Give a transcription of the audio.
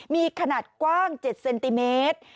มีขนาดกว้าง๗เซนติเมตร